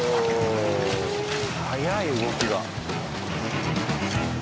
速い動きが。